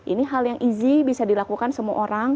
ini hal yang easy bisa dilakukan semua orang